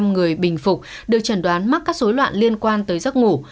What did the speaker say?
hai ba người bình phục được chẩn đoán mắc các dối loạn liên quan tới giấc ngủ